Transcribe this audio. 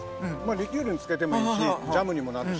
リキュールに漬けてもいいしジャムにもなるし。